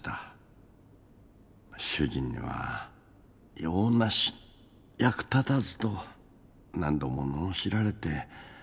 主人には「用なし」「役立たず」と何度も罵られて。